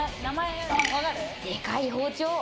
でかい包丁。